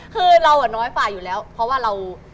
คือเราอ่ะน้อยฝ่าอยู่แล้วเพราะว่าเรา